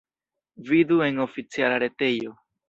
Vidu en oficiala retejo.